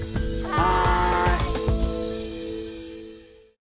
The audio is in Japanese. はい！